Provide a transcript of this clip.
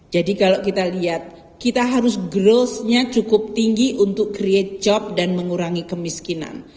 kalau kita lihat kita harus growth nya cukup tinggi untuk create job dan mengurangi kemiskinan